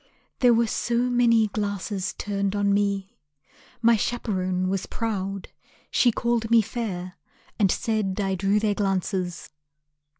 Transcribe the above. There were so many glasses turned on me, My chaperon was proud. She called me fair, And said I drew their glances.